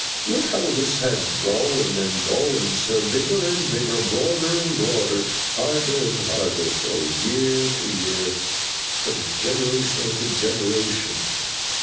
Look how this ha growen an' growen, sir, bigger an' bigger, broader an' broader, harder an' harder, fro year to year, fro generation unto generation.